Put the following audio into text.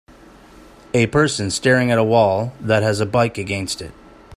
A person staring at a wall that has a bike against it.